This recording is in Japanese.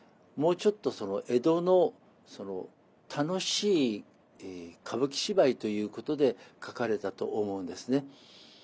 もうちょっと江戸の楽しい歌舞伎芝居ということで書かれたと思うんですね。